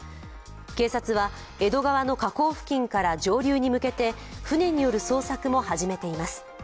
警察は、江戸川の河口付近から上流に向けて船による捜索も始めています。